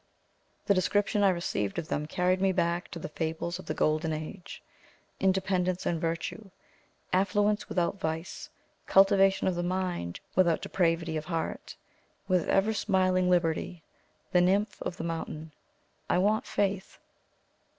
The description I received of them carried me back to the fables of the golden age: independence and virtue; affluence without vice; cultivation of mind, without depravity of heart; with "ever smiling Liberty;" the nymph of the mountain. I want faith!